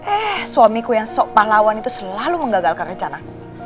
eh suamiku yang sok pahlawan itu selalu menggagalkan rencana